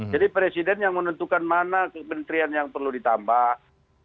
jadi presiden yang menentukan mana kementerian yang perlu dikembalikan